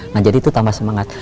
nah jadi itu tambah semangat